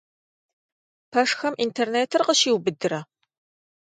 Пэшхэм интернетыр къыщиубыдрэ?